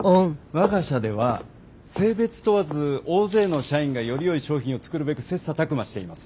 我が社では性別問わず大勢の社員がよりよい商品を作るべく切磋琢磨しています。